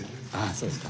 そうですか。